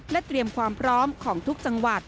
เตรียมความพร้อมของทุกจังหวัด